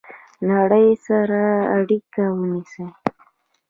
نړۍ سره اړیکه ونیسئ